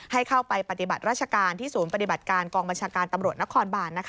ให้เข้าไปปฏิบัติราชการที่ศูนย์ปฏิบัติการกองบัญชาการตำรวจนครบาน